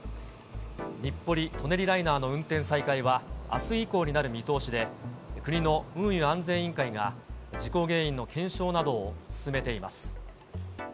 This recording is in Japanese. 日暮里・舎人ライナーの運転再開はあす以降になる見通しで、国の運輸安全委員会が、事故原因の検証などを進めています。